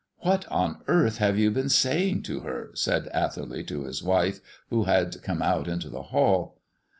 "What on earth have you been saying to her?" said Atherley to his wife, who had come out into the hall.